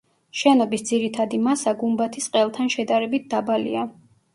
შენობის ძირითადი მასა გუმბათის ყელთან შედარებით დაბალია.